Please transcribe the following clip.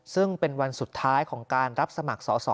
ซึ่งเป็นวันสุดท้ายของการรับสมัครสอสอ